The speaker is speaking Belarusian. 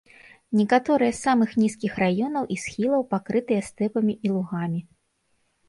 Некаторыя з самых нізкіх раёнаў і схілаў пакрытыя стэпамі і лугамі.